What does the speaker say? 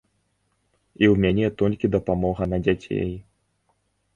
І ў мяне толькі дапамога на дзяцей.